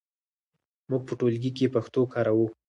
موږ په ټولګي کې پښتو کاروو.